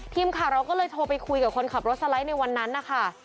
ทีมข่าวเราก็เลยโทรไปคุยกับคนขับรถสไลด์ในวันนั้นนะคะ